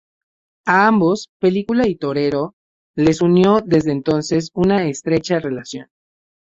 A ambos, película y torero, les unió, desde entonces, una estrecha relación.